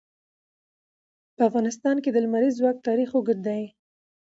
په افغانستان کې د لمریز ځواک تاریخ اوږد دی.